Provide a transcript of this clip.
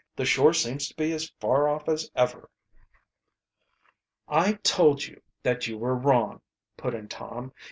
"The shore seems to be as far off as ever." "I told you that you were wrong," put in Tom.